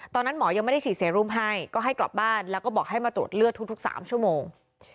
ตอนนั้นหมอยังไม่ได้ฉีดเซรุมให้ก็ให้กลับบ้านแล้วก็บอกให้มาตรวจเลือดทุก๓ชั่วโมง